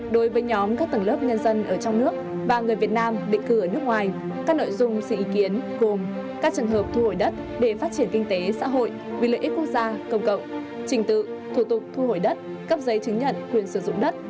đối với nhóm các tầng lớp nhân dân ở trong nước và người việt nam định cư ở nước ngoài các nội dung xin ý kiến gồm các trường hợp thu hồi đất để phát triển kinh tế xã hội vì lợi ích quốc gia công cộng trình tự thủ tục thu hồi đất cấp giấy chứng nhận quyền sử dụng đất